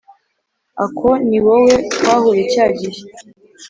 Ako niwowe twahuye cyagihe